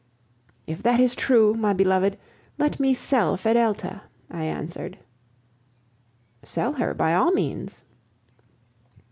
"If that is true, my beloved, let me sell Fedelta," I answered. "Sell her, by all means!"